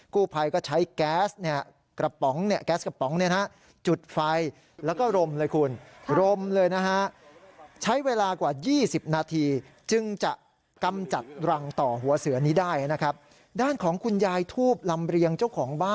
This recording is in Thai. กู้ไพก็ใช้แก๊สกระป๋องจุดไฟแล้วก็รมเลยคุณ